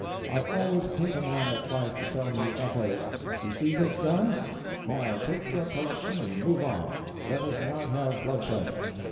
I always hate a man that tries to sell me echoes. You see this gun? Now take your collection and move on; let us not have bloodshed."